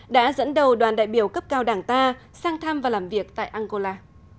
đã dẫn đầu đoàn đại biểu cấp cao đảng ta sang thăm và làm việc tại angola